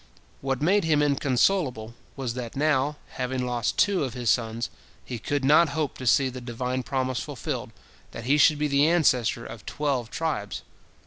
What made him inconsolable was that now, having lost two of his sons, he could not hope to see the Divine promise fulfilled, that he should be the ancestor of twelve tribes.